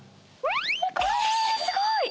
すごい！